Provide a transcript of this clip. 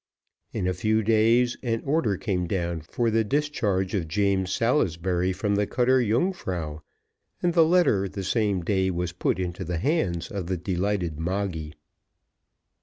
In a few days, an order came down for the discharge of James Salisbury from the cutter Yungfrau, and the letter the same day was put into the hands of the delighted Moggy.